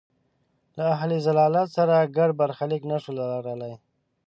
له اهل ضلالت سره ګډ برخلیک نه شو لرلای.